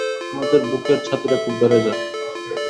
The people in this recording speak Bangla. তোমাদের বুকের ছাতিটা খুব বেড়ে যাক।